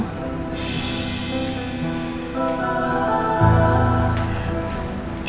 ya aku paham kok ma